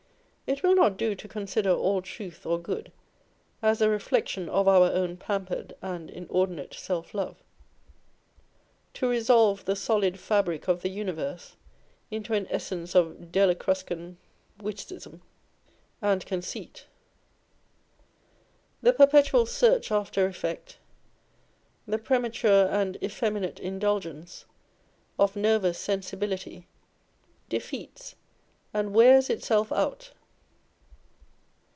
It will not do to consider all truth or good as a reflection of our own pampered and inordinate self love ; to resolve the solid fabric of the universe into an essence of Della Cruscan witticism and 448 On Old English Writers and Speakers. conceit. The perpetual search after effect, the premature and effeminate indulgence of nervous sensibility, defeats and wears itself out.